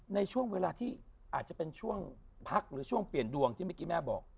ในช่วงเวลาที่อาจจะเป็นช่วงพักหรือช่วงเปลี่ยนดวงที่เมื่อกี้แม่บอก